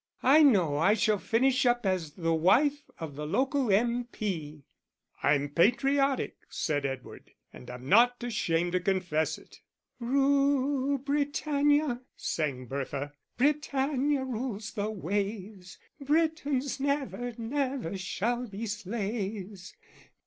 I know I shall finish up as the wife of the local M.P." "I'm patriotic," said Edward, "and I'm not ashamed to confess it." "Rule Britannia," sang Bertha, "Britannia rules the waves, Britons never, never shall be slaves.